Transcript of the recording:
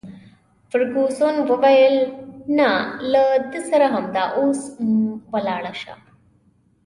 فرګوسن وویل: نه، له ده سره همدا اوس ولاړه شه.